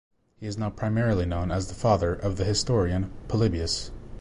He is now primarily known as the father of the historian Polybius.